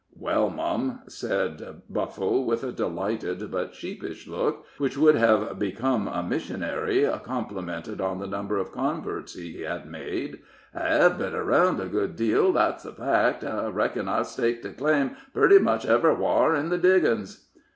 "Well, mum," said Buffle, with a delighted but sheepish look, which would have become a missionary complimented on the number of converts he had made, "I hev been around a good deal, that's a fact. I reckon I've staked a claim purty much ev'rywhar in the diggins."